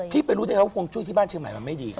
ไปรู้ได้ไงว่าห่วงจุ้ยที่บ้านเชียงใหม่มันไม่ดี